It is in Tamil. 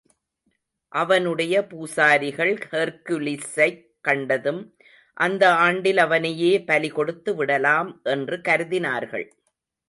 அவனுடைய பூசாரிகள் ஹெர்க்குலிஸைக் கண்டதும், அந்த ஆண்டில் அவனையே பலி கொடுத்துவிடலாம் என்று கருதினார்கள்.